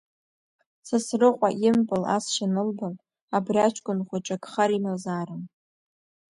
Сасрыҟәа импыл асшьа анылба, абри аҷкәын хәыҷык хар имазаарым!